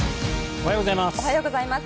おはようございます。